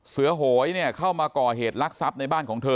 เสือโหยเนี่ยเข้ามาก่อเหตุลักษัพในบ้านของเธอ